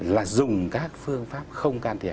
là dùng các phương pháp không can thiệp